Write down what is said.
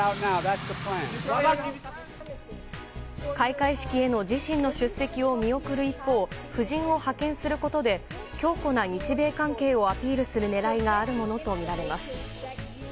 開会式への自身の出席を見送る一方夫人を派遣することで強固な日米関係をアピールする狙いがあるものとみられます。